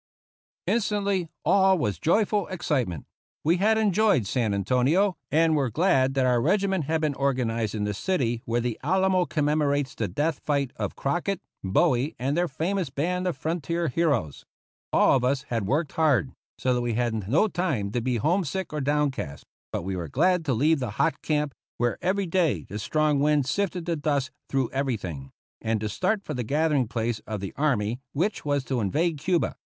Instantly, all was joyful excitement. We had enjoyed San Antonio, and were glad that our reg iment had been organized in the city where the Alamo commemorates the death fight of Crock ett, Bowie, and their famous band of frontier heroes. All of us had worked hard, so that we had had no time to be homesick or downcast ; but we were glad to leave the hot camp, where every day the strong wind sifted the dust through every thing, and to start for the gathering place of the army which was to invade Cuba.